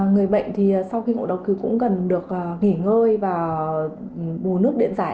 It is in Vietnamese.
người bệnh thì sau khi ngộ độc cứ cũng cần được nghỉ ngơi và bù nước điện giải